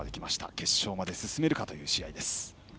決勝まで進めるかという試合です。